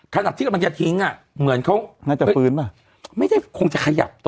ขนาดที่กำลังจะทิ้งอ่ะเหมือนเขาน่าจะฟื้นป่ะไม่ได้คงจะขยับตัว